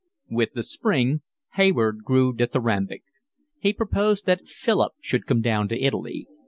With the spring Hayward grew dithyrambic. He proposed that Philip should come down to Italy.